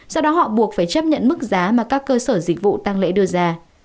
do đó họ buộc phải chấp nhận mức giá mà các cơ sở dịch vụ tăng lễ đưa ra